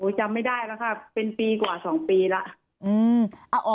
โอ้ยจำไม่ได้แล้วค่ะเป็นปีกว่าสองปีแล้วอืม